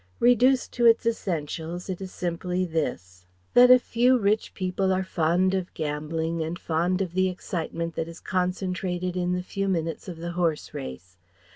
Reduced to its essentials it is simply this: That a few rich people are fond of gambling and fond of the excitement that is concentrated in the few minutes of the horse race.